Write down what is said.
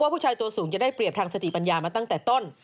ผู้ชายตัวสูงจะได้เปรียบทางสติปัญญามาตั้งแต่ต้น